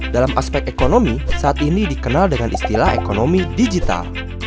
dalam aspek ekonomi saat ini dikenal dengan istilah ekonomi digital